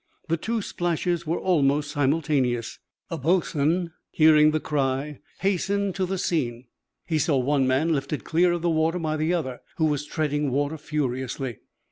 The two splashes were almost simultaneous. A boatswain, hearing the cry, hastened to the scene. He saw one man lifted clear of the water by the other, who was treading water furiously.